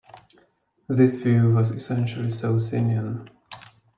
This view was essentially Socinian.